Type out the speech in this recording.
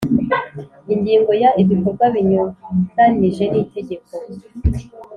Ingingo ya Ibikorwa binyuranije n itegeko